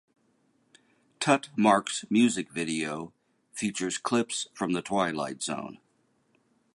Tutmarc's music video features clips from the Twilight Zone.